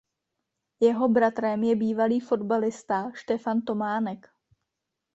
Jeho bratrem je bývalý fotbalista Štefan Tománek.